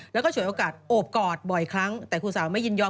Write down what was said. แล้วก็ฉวยโอกาสโอบกอดบ่อยครั้งแต่ครูสาวไม่ยินยอม